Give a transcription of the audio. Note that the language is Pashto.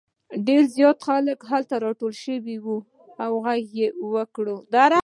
ډېر زیات خلک هلته راټول شوي وو او غږ یې وکړ.